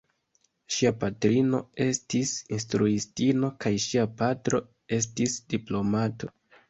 Ŝia patrino estis instruistino kaj ŝia patro estis diplomato.